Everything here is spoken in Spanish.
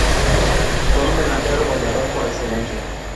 Fue un delantero goleador por excelencia.